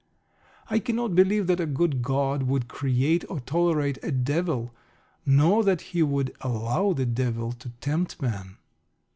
I cannot believe that a good God would create or tolerate a Devil, nor that he would allow the Devil to tempt man.